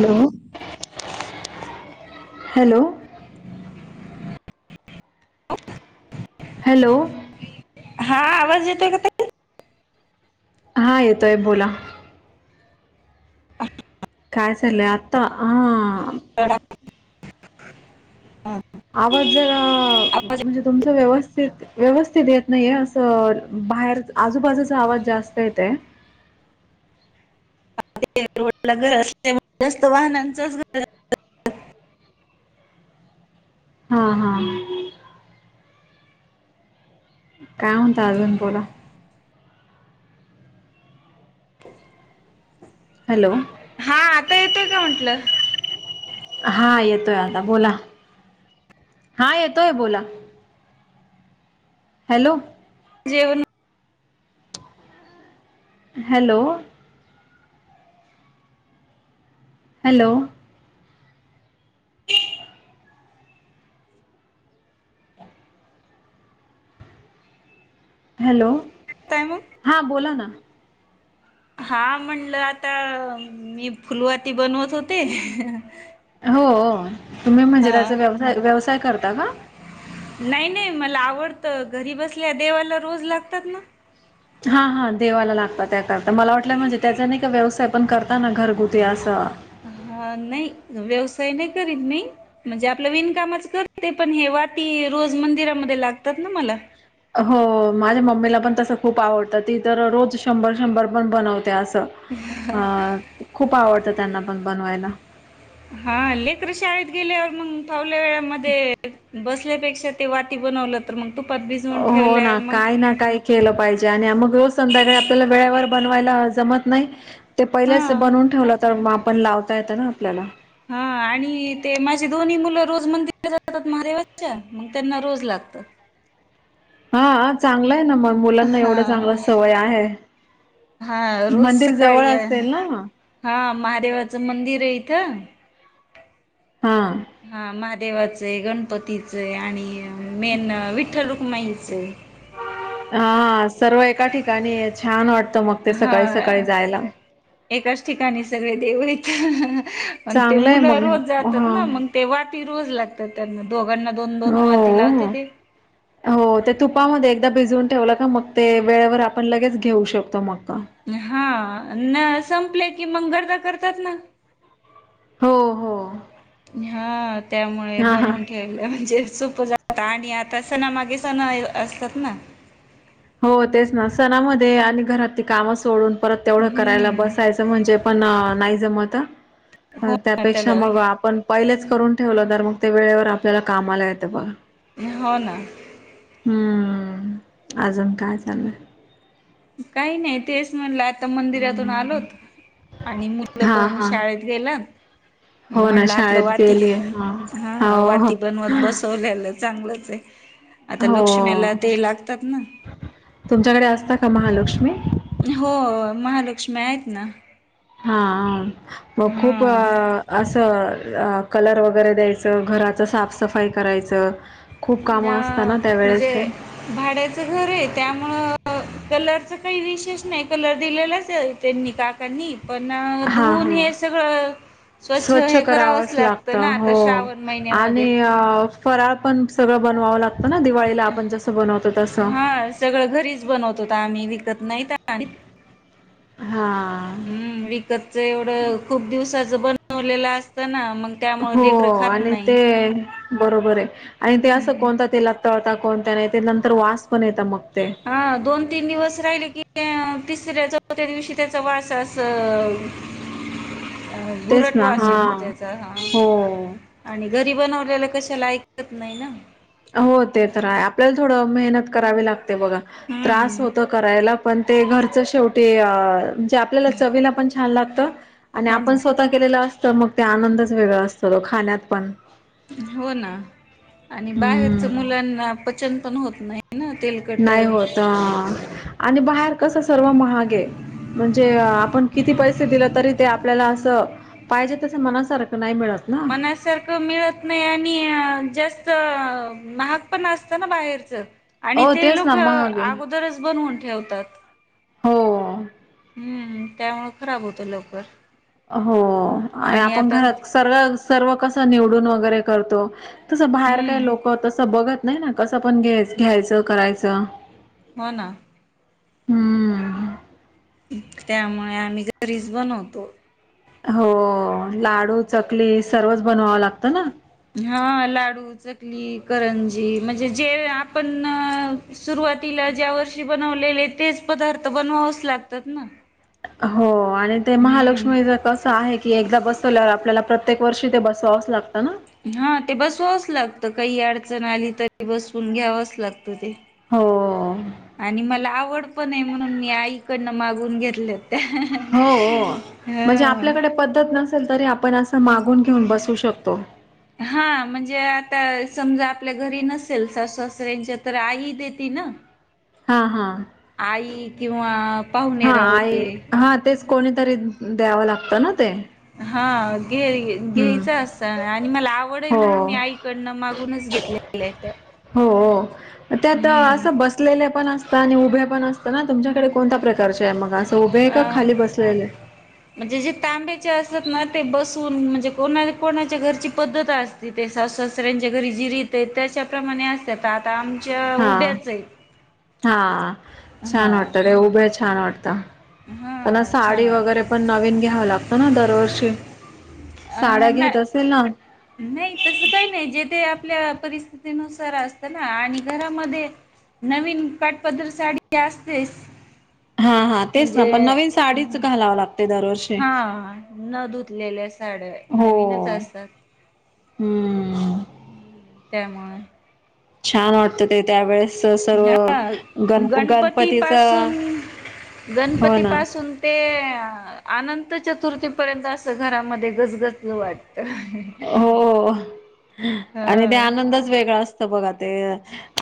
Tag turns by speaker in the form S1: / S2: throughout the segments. S1: Hello hello hello
S2: हा आवाज येतो का ताई
S1: हा येतोय बोला
S2: हा
S1: काय झालं आता ह
S2: [inaudible]
S1: आवाज जरा
S2: आवाज
S1: म्हणजे तुमच व्यवस्थित व्यवस्थित येत नाहीये अस तर बाहेर आजूबाजूचा आवाज जास्त येत आहे
S2: रोड घर असते जास्त वाहनांचच घर
S1: हा हा काय म्हणता अजून बोला हॅलो
S2: हा आता येतोय का म्हटलं
S1: हा येतोय आता बोला हा येतोय बोला हॅलो
S2: जेवण.
S1: हॅलो. हॅलो. हॅलो
S2: होत आहे मग
S1: हा बोला ना.
S2: हा म्हणलं आता मी फुलवाती बनवत होते.
S1: हो हो तुम्ही म्हणजे
S2: हा
S1: मंदिराचा व्यवसाय व्यवसाय करता का?
S2: नाही नाही मला आवडतं घरी बसल्या देवाला रोज लागतात ना.
S1: हा हा देवाला लागत त्याकरता मला वाटलं म्हणजे त्याचा का व्यवसाय पण करताना घरगुते असं.
S2: हा नाही व्यवसाय नाही करीत मी म्हणजे आपलं विणकामच करते पण हे वाती रोज मंदिरामध्ये लागतात ना मला
S1: हो माझ्या मम्मीला पण तस खूप आवडतं ती तर रोज शंभर शंभर पण बनवते अस. खूप आवडतं त्यांना पण बनवायला
S2: हा लेकर शाळेत गेल्यावर मग थवल्या वेळामध्येध्ये बस. बसल्यापेक्षा ते वाटी बनवलं तर मग तुपात भिजवून
S1: हो
S2: ठेवल्या
S1: ना
S2: मग
S1: काय ना काय केलं पाहिजे आणि मग रोज संध्याकाळी आपल्याला वेळेवर बनवा. आपल्याला जमत नाही ते
S2: हा
S1: पहिलेच बनवून ठेवलं तर आपण लावता येत ना आपल्याला [inaudible]
S2: हा आणि ते माझी दोन्ही मुलं रोज मंदिर जातात महादेवाच्या मग त्यांना रोज लागतात.
S1: हा चांगलं आहे ना मग मुलांना
S2: हा
S1: एवढं चांगलं सवय आहे.
S2: हा रोज
S1: मंदिर
S2: सकाळी
S1: जवळ
S2: या
S1: असेल ना
S2: हा महादेवाचं मंदिर आहे.
S1: हा.
S2: [unintelligible] हा महादेवाच गणपती गणपतीच आणि मेन विठ्ठल रुक्माईच
S1: हा सर्व एका ठिकाणी छान वाट
S2: हा एकाच ठिकाणी सगळे देवायच [unintelligible] मग ते
S1: चांगलंय
S2: मुलं
S1: मग
S2: रोज
S1: हा
S2: जातात ना मग ते वाती रोज लागत. त्यांना दोघांना दोन दोन वाती लावते
S1: हो.
S2: ते
S1: हो ते तुपामध्ये एकदा भिजवून ठेवलं का मग ते वेळेवर आपण लगेच घेऊ शकतो मग
S2: हा न संपले की मंग करतात ना.
S1: हो हो.
S2: हा त्यामुळे
S1: हा हा.
S2: बनून ठेवलं म्हणजे सोप जात. आणि आता सणामागे सण असतात ना.
S1: हो तेच ना सणामध्ये आणि घरातली काम सोडून परत तेवढं करायला
S2: हम्म
S1: बसायचं म्हणजे पण नाही जमत
S2: हो
S1: अ
S2: ना
S1: त्यापेक्षा
S2: त्याला
S1: मग आपण पहिलेच. करून ठेवलं तर मग ते वेळेवर आपल्याला काम आला येतं बघ.
S2: हो ना.
S1: हम्म अजून काय चालंय?
S2: काही नाही तेच म्हणलं आता मंदिरातून आलोत. आणि मुल
S1: हा
S2: पण
S1: हा.
S2: शाळेत गेलात. मग
S1: हो ना
S2: म्हणलं आपलं
S1: शाळेत
S2: वाती
S1: गेली हा
S2: हा हा
S1: हो हो
S2: वाती बनवत बसवल्यालंच. चांगलंच आहे आता लक्ष्मीला
S1: हो
S2: ते लागतात ना.
S1: तुमच्याकडे असता का महालक्ष्मी
S2: हो महालक्ष्मी आहेत ना.
S1: हा हा मग खूप
S2: हा
S1: अ असं. कलर वगैरे द्यायचं घराचं साफसफाई करायचं. खूप
S2: या
S1: कामं असतात ना
S2: म्हणजे
S1: त्यावेेळेस
S2: भाड्याचं घर आहे त्यामुळं कलरच काही विशेष नाही कलर दिलेलाच त्यांनी काकांनी पण
S1: हा
S2: धुऊन
S1: हा
S2: हे सगळं.
S1: स्वच्छ
S2: हे करावंच
S1: करावच लागत
S2: लागतं ना आता
S1: हो
S2: श्रावण
S1: आणि
S2: महिन्यामध्ये
S1: अ फराळ पण सगळं बनवावं लागतं. ना दिवाळीला आपण जस बनवतो तस
S2: करत नाहीत आणि
S1: हा
S2: हम्म विकतच एवढ खूप दिवसाच बन बनावलेला असता ना मग त्यामुळं
S1: हो
S2: लेकरं खात
S1: आणि
S2: नाही.
S1: ते बरोबर आहे आणि ते असं
S2: हम्म.
S1: कोणता तेला तळता कोणत्या नाही ते नंतर वास पण येत मग ते.
S2: हा दोन तीन दिवस राहिले की तिसऱ्या चौथ्या दिवशी त्याचा वासा अस
S1: तेच
S2: घुरट
S1: ना हा.
S2: वास येतो त्याचा हा
S1: हो
S2: आणि घरी बनवल्याला कशी त्याला ऐकत नाही ना?
S1: हो ते तर आपल्याला थोडं मेहनत करावी लागते बघा त्रास
S2: हम्म
S1: होत करायला पण ते घरचं शेवटी म्हणजे आपल्याला चवीला पण छान लागत. आणि
S2: हो
S1: आपण
S2: ना.
S1: स्वतः केलेलं असत मग ते आनंदच वेगळ असत तो खाण्यात पण.
S2: हो ना आणि बाहेरच
S1: हम्म.
S2: मुलांना पचन पण होत नाही. ना
S1: नाही
S2: तेलकट
S1: होत आणि बाहेर कसं सर्व महागये म्हणजे आपण किती पैसे दिले तरी ते आपल्याला असं पाहिजे तसं मनासारखं नाही मिळत. ना.
S2: मनासारखं मिळत नाही आणि जास्त महाग पण असत ना बाहेरचं. आणि
S1: हो
S2: ते
S1: तेच
S2: लोक
S1: ना महाग आहे.
S2: अगोदरच बनवून ठेवतात.
S1: हो
S2: हम्म त्यामुळ खराब होतं लवकर.
S1: हो आणि आपण घरात सर्व सर्व कसं निवडून वगैरे करतो. तसं बाहेर काय
S2: हम्म
S1: लोक तसं बघत नाही ना कसं पण घ्याय घ्यायचं करायचं
S2: हो ना!
S1: हम्म
S2: त्यामुळे आम्ही घरीच बनवतो.
S1: हो लाडू चकली सर्वच बनवावं लागतं ना?
S2: हा लाडू चकली करंजी म्हणजे जे आपण सुरव तीला ज्या वर्षी बनवलेले तेच पदार्थ बनवावच लागतात ना?
S1: हो आणि ते
S2: हम्म
S1: महालक्ष्मीच कसं आहे की एकदा बसवल्यावर आपल्याला प्रत्य प्रत्ये वर्ष ते बसवावच लागतं ना?
S2: हा ते बसवाच लागत काही अडचण आली तरी बसवून घ्यावच लागत. ते
S1: हो
S2: आणि मला आवड पण आहे, म्हणून मी आईकडनं मागून घेतलेत.
S1: हो म्हणजे आपल्याकडे पद्धत नसेल तरी आपण असं मागून घेऊन बसू शकतो.
S2: हा म्हणजे आता समजा आपल्या घरी नसेल सासू सासऱ्यांच्या तर आई देती. ह ना
S1: हा हा
S2: आई किंवा पाहुणे
S1: हा आई
S2: रावळे
S1: हा तेच कोणीतरी द्यावं लागतं ना ते.
S2: हा घे
S1: हम्म
S2: घ्यायच असत आणि मला आवड आहे म्हणून मी
S1: हो
S2: आईकडनं मागूनच घेतलेले आहे.
S1: हो हो त्यात असं बसलेल्या आणि उभ्या पण असत ना तुमच्याकडे कोणत्या प्रकारचे आहे मग अस
S2: अ म्हणजे जे तांब्याचे अस ते बसून म्हणजे कोणा कोणाच्या घरची पद्धत असती ते सासू ससऱ्यांच्या घरी जी रीत ते त्याच्या प्रमाणे असत
S1: हा हा छान
S2: हा
S1: वाटतं! ते उभ्या छान वाटतं. त्यांना
S2: हा छान
S1: साडी वगैरे पण
S2: वाटते
S1: नवीन घ्यावं लागतं ना दरवर्षी.
S2: अ
S1: साड्या
S2: ना
S1: घेत असेल ना
S2: नाही तस काही नाही जेथे आप आपल्या परिस्थितीनुसार असत ना आणि घरामध्ये नवीन काटपधर साडी असतेस?
S1: हा हा तेच ना पण नवीन साडीच घालावं लागत.
S2: हा न धुतलेल्या साड्या
S1: हो
S2: नवीनच असतात.
S1: हम्म
S2: हम्म, त्यामुळे,
S1: छान वाटत ते त्यावेेळेस! सर्व
S2: हा
S1: गण
S2: गणपती
S1: गणपतीच
S2: पासून गणपती पासून ते अनं त चतुर्थीपर्यंत असं घरामध्ये गजगज वाटत.
S1: हो आणि ते
S2: ह
S1: आनंदच वेगळा असतो. बघा ते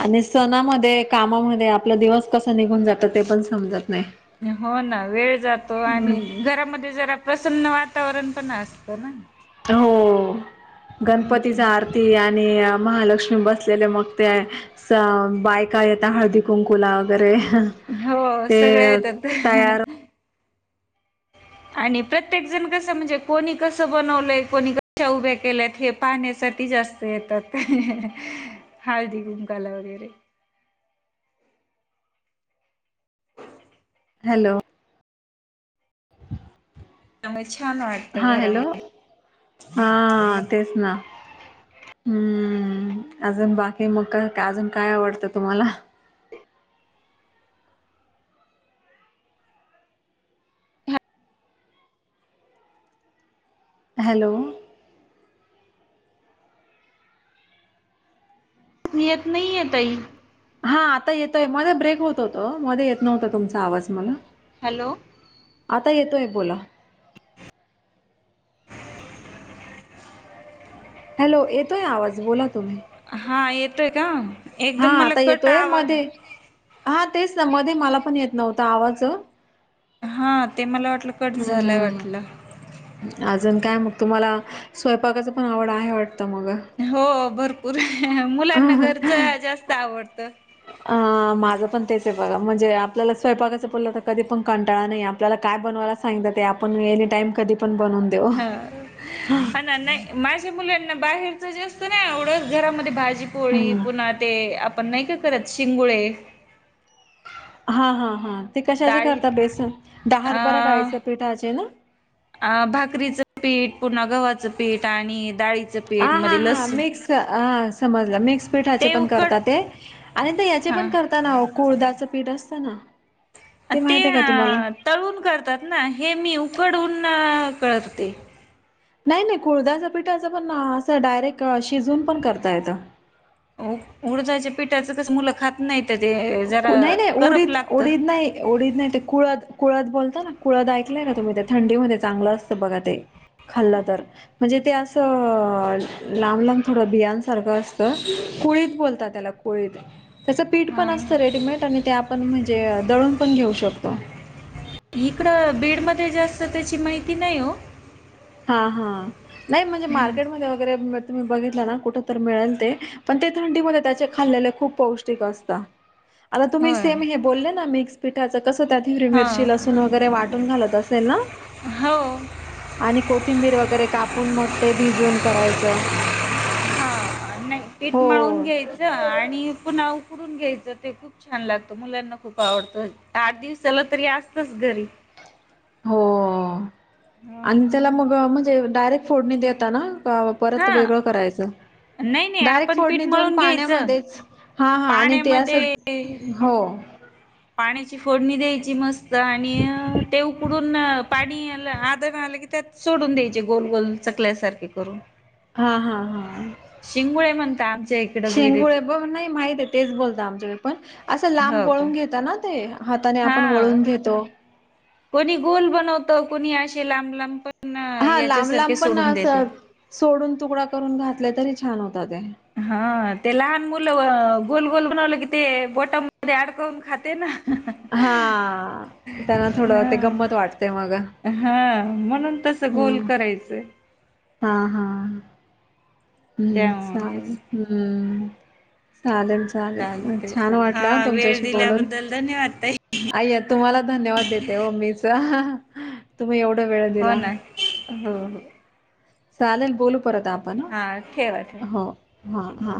S1: आणि सणामध्ये कामामध्ये आपला दिवस कसा निघून जातो ते पण समजत नाही.
S2: हो ना वेळ जातो आणि घरामध्ये जरा प्रसन्न वातावरण पण असतं ना.
S1: हो
S2: हम्म
S1: गणपतीच आरती आणि. आणि महालक्ष्मी बसलेले मग ते बायका येत हळदी कुंकुला वगैरे
S2: हो
S1: ते
S2: सगळे येतात
S1: तयार
S2: आणि प्रत्येक जण कस म्हणजे कोणी कस बनवलंय कोणी कशा उभ्या केल्यात हे पाहण्या साठी जास्त येतात. हळदी कुंकवाला वगैरे
S1: ह [inaudible] हॅलो
S2: त्यामुळे छान वाटतं
S1: हा हॅलो
S2: घरामध्ये,
S1: हा तेच ना हम्म अजून बाकी मग का अजून काय आवडतं तुम्हाला? हॅलो,
S2: येत नाही य ताई.
S1: हा आता येतोय मध्ये ब्रेक होत होतो. मध्ये येत नव्हता तुमचा आवाज मला,
S2: हॅलो,
S1: आता येतोय बोला. हॅलो, येतोय आवाज बोला तुम्ही.
S2: हा येतोय का
S1: हा
S2: एकदम मला
S1: आता
S2: कट
S1: येतोय
S2: आवाज
S1: मध्ये हा तेच ना मध्ये मला पण येत नव्हता. आवाज
S2: हा ते मला वाटलं कट झालंय वाटलं.
S1: जण काय मग तुम्हाला स्वयंपाकाचं पण आवड आहे वाटतं मग?
S2: हो भरपूर मुलांना घरच जास्त आवडत.
S1: अ माझं पण तेच आहे बघा म्हणजे आपल्याला स्वयपाकाचं बोललं तर कधी पण कंटाळा नाही आपल्याला काय बनवायला सांगितल. ते आपण एनी टाइम कधी पण बनवून देऊ
S2: हा
S1: हम्म
S2: हा ना नाही माझे मुले बाहेरच जे असत ना एवढंच घरामध्ये भाजी पोळी पुन्हा ते आपण नाही का, करत शिंगोळे.
S1: हा हा हा ते कशाचे करताात बेसन
S2: अ
S1: हरभरा डाळीचा पिठाचे ना.
S2: अ भाकरीचं पीठ, पुन्हा गव्हाचं पीठ आणि डाळी,
S1: हा हा हा मिक्स हा समजलं मिक्स पीठाचे
S2: ते
S1: पण
S2: उकड
S1: करतात ते आणि याचे
S2: हा
S1: पण करताना कुळदाच पीठ असतना.
S2: ते तळून करतात ना. हे मी उकडून करते.
S1: नाही नाही कुळद्याचा पिठा असं पण असं डायरेक्ट शिजून पण करता येत.
S2: हो उडदाच्या पिठाचं कस मुलं खात नाहीत.
S1: नाही नाही उडीद उडीद नाही उडीद नाही ते कुळात कुळत बोलता ना कुळद ऐकलंय का तुम्ही ते थंडी मध्ये चांगलं असतं बघा ते खाल्लं तर म्हणजे ते असं लांब लांब थोडं बियांसारखं असत कळीत बोलतात त्याला कळीत पण
S2: हा
S1: असत रेडीमेड आणि ते आपण म्हणजे दळून पण घेऊ शकतो
S2: म जास्त त्याची माहिती नाही हो
S1: हा हा नाही म्हणजे
S2: हम्म.
S1: मार्केटमध्ये वगैरे तुम्ही बघितला ना कुठ तर मिळेल ते पण ते थंडी म त्याचे खाल्लेले खूप पौष्टिक असत आता तुम्ही
S2: होय.
S1: सेम हे बोलले ना मिक्स पीठाच कस त्यात हिरी
S2: हा
S1: मिरची लसूण वगैरे वाटून घालत असेल ना
S2: हो
S1: आणि कोथिंबीर वगैरे कापून मग ते भिजून करायचं
S2: नाही पीठ
S1: हो,
S2: मिळून घ्यायचं आणि पुन्हा ून घ्याय खूप छान ला मुलांना खप आव आठ दिव चल तरी असतच घरी
S1: हो
S2: हा
S1: आणि त्याला मग म्हणजे डायरेक्ट फोडणी देता ना का परत
S2: हा
S1: वेगळं करायचं
S2: नाही नाही
S1: डायरेक्ट
S2: आपण
S1: फोडणी
S2: पीठ
S1: देऊन
S2: मळून घ्यायचं.
S1: पाण्यामध्येच हा हा आणि ते असं
S2: पाण्यामध्ये
S1: हो
S2: पाण्याची फोडणी द्यायची मस्त आणि ते उकडून पाणी आधर घलं कि त्यात सोडून द्यायचे गोल गोल चकल्यासारखे करून
S1: हा हा हा
S2: शिंगुळे म्हणता आमच्या इकडं बीड
S1: शेंगुळ बघ नाही माहित आहे तेच बोलत आमच्याकडे पण असं लांब
S2: हो का
S1: वळून घेता ना ते हाताने आपण
S2: हा
S1: वळून घेतो
S2: कोणी गोल बनवत कोणी असे लांब लांब पण
S1: हा लांब
S2: याच्यासारखे
S1: लांब पण
S2: सोडून
S1: अस
S2: देते
S1: सोडून तुकडा करून घातले तरी छान होत
S2: हा ते लहान मुलं गोल गोल बनवलं की ते बोटामध्ये अडकवून खाते ना
S1: हा त्यांना थोडं ते
S2: हा
S1: गंमत वाटते मग
S2: हा म्हणून तसं गोल
S1: हम्
S2: करायचं
S1: हा हा हम्म सले
S2: त्यामुळेच
S1: हम्म चालेल चालेल
S2: चालते
S1: छान
S2: हा
S1: वाटला
S2: वेळ
S1: तुमच्याशी बलोनी
S2: दिल्याबद्दल धन्यवाद ताई.
S1: आय तुम्हाला धन्यवाद देते मम्मीच तुम्ही एवढं
S2: हो ना हो हो
S1: चालेल बोलू परत आपण
S2: ठेवाचे
S1: हा हा